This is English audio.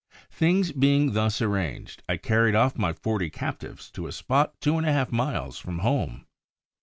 Things being thus arranged, I carried off my forty captives to a spot two and a half miles from home.